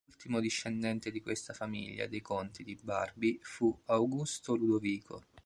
L'ultimo discendente di questa famiglia dei conti di Barby fu Augusto Ludovico.